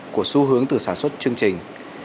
của xu hướng từ sản xuất chương trình